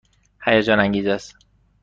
هیجان انگیز است.